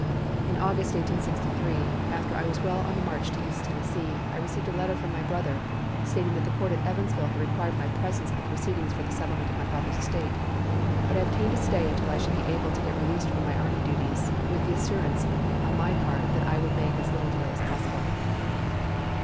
In August, 1863, after I was well on the march to East Tennessee, I received a letter from my brother stating that the court at Evansville had required my presence in the proceedings for the settlement of my father's estate, but I obtained a stay until I should be able to get released from my army duties, with the assurance on my part that I would make as little delay as possible.